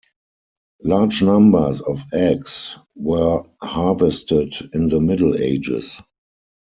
Large numbers of eggs were harvested in the Middle Ages.